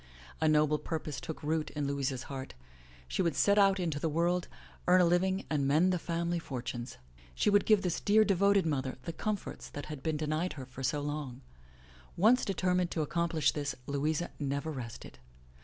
A noble purpose took root in Louisa's heart. She would set out into the* world, earn a living, and mend the family fortunes. She would give this dear devoted mother the comforts i8 THE LATCH KEY that had been denied her so long. Once determined to ac complish this, Louisa never rested.